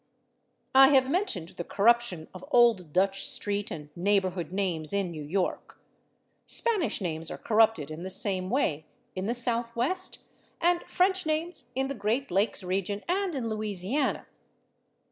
I have mentioned the corruption of old Dutch street and neighborhood names in New York. Spanish names are corrupted in the same way in the Southwest and French names in the Great Lakes region and in Louisiana.